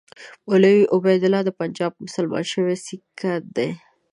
مولوي عبیدالله د پنجاب مسلمان شوی سیکه دی.